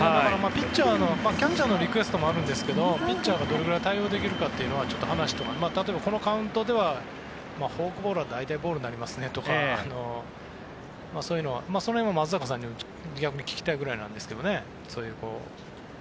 キャッチャーのリクエストもあるんですけどピッチャーがどれくらい対応できるかも例えばこのカウントではフォークボールは大体ボールになりますねとかその辺を松坂さんに、逆に聞きたいぐらいなんですけどね。